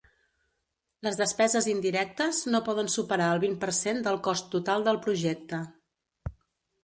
Les despeses indirectes no poden superar el vint per cent del cost total del projecte.